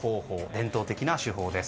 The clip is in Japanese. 伝統的な手法です。